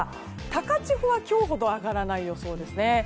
高千穂は今日ほど上がらない予想ですね。